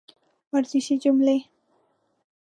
ورزشي جملې